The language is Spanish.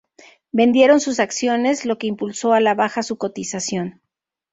Vendieron sus acciones, lo que impulsó a la baja su cotización.